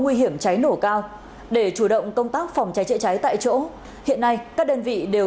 nguy hiểm trái nổ cao để chủ động công tác phòng trái trịa trái tại chỗ hiện nay các đơn vị đều